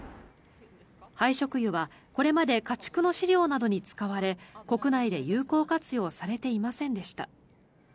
廃食油はこれまで家畜の飼料などに使われ国内で有効活用されていませんでした。